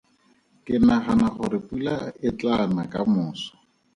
Ke nagana gore pula e tlaa na ka moso.